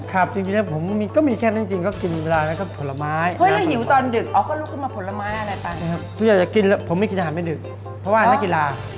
ครับจริงนะครับก็มีแค่นั้นจริงเกิดเวลาปลอหาร